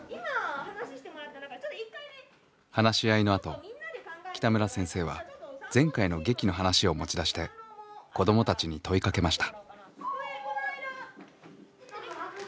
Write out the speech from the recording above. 話し合いのあと北村先生は前回の劇の話を持ち出して子どもたちに問いかけました。